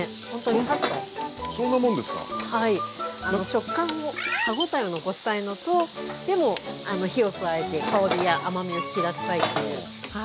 食感を歯ごたえを残したいのとでも火を加えて香りや甘みを引き出したいという。